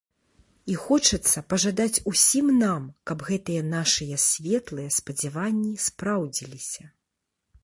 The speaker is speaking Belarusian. І хочацца пажадаць усім нам, каб гэтыя нашыя светлыя спадзяванні спраўдзіліся.